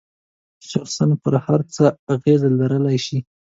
شخصاً پر هر څه اغیز لرلای شي.